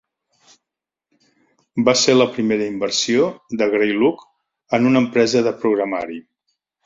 Va ser la primera inversió de Greylock en una empresa de programari.